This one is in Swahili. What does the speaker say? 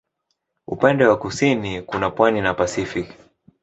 Upande wa kusini kuna pwani na Pasifiki.